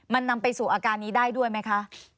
มันนำไปสู่อาการนี้ได้ด้วยไหมคะ